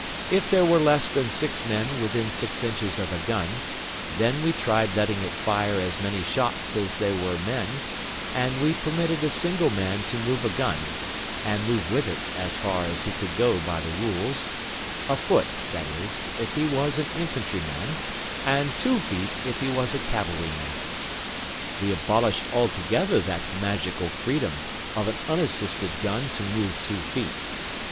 If there were less than six men within six inches of a gun, then we tried letting it fire as many shots as there were men, and we permitted a single man to move a gun, and move with it as far as he could go by the rules a foot, that is, if he was an infantry man, and two feet if he was a cavalry man. We abolished altogether that magical freedom of an unassisted gun to move two feet.